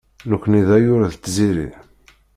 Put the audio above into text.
Nekni d ayyur d tziri.